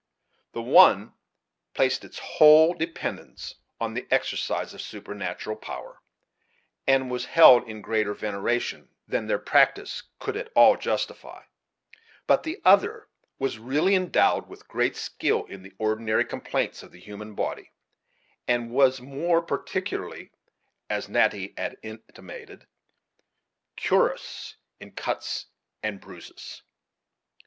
The one placed its whole dependence on the exercise of a supernatural power, and was held in greater veneration than their practice could at all justify; but the other was really endowed with great skill in the ordinary complaints of the human body, and was more particularly, as Natty had intimated, "curous" in cuts and bruises.